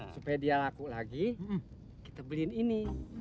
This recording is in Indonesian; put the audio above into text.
supaya dia laku lagi kita beliin ini